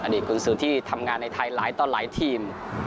ดีตกุญสือที่ทำงานในไทยหลายต่อหลายทีม